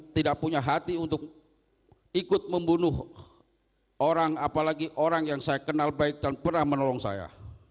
saya tidak punya hati untuk ikut membunuh orang apalagi orang yang saya kenal baik dan pernah menolong saya